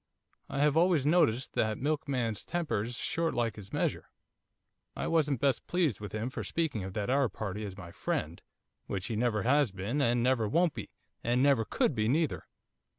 I have always noticed that milkman's temper's short like his measure. I wasn't best pleased with him for speaking of that Arab party as my friend, which he never has been, and never won't be, and never could be neither.